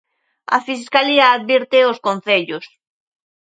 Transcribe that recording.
A fiscalía advirte aos concellos.